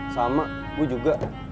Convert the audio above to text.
sama gue juga